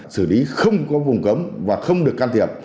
xử lý không có vùng cấm và không được can thiệp